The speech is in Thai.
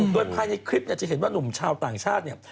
โดยภายในคลิปจะเห็นว่านุ่มชาวต่างชาติเนี่ย